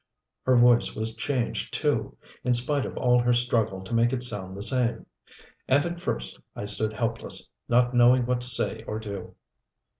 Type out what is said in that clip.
Her voice was changed too, in spite of all her struggle to make it sound the same. And at first I stood helpless, not knowing what to say or do.